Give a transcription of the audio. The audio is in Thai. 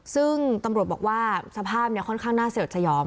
ซึ่งตำรวจบอกว่าสภาพค่อนข้างน่าเสียดสยอง